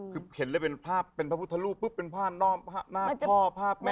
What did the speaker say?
คือเห็นเลยเป็นภาพเป็นพระพุทธรูปปุ๊บเป็นภาพหน้าพ่อภาพแม่